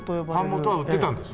版元は売ってたんですね。